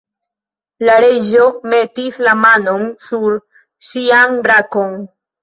La Reĝo metis la manon sur ŝian brakon.